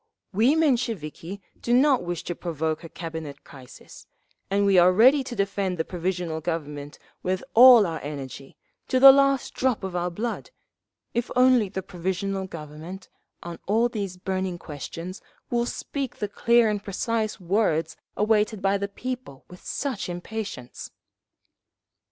"We Mensheviki do not wish to provoke a Cabinet crisis, and we are ready to defend the Provisional Government with all our energy, to the last drop of our blood—if only the Provisional Government, on all these burning questions, will speak the clear and precise words awaited by the people with such impatience…."